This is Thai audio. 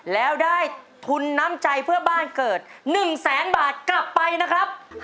แล้วได้ทุนน้ำใจเพื่อบ้านเกิด๑แสนบาทกลับไปนะครับ